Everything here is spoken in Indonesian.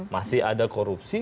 masih ada korupsi